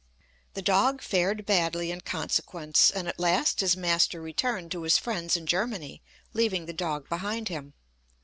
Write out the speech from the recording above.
The dog fared badly in consequence, and at last his master returned to his friends in Germany, leaving the dog behind him.